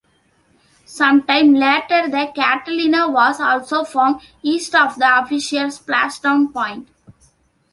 Some time later the Catalina was also found, east of the official splashdown point.